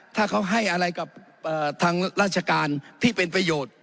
ถ้าเขาให้อะไรกับทางราชการที่เป็นประโยชน์